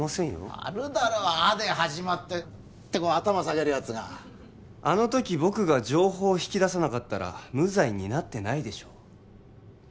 あるだろ「あ」で始まってってこう頭下げるやつがあのとき僕が情報を引き出さなかったら無罪になってないでしょう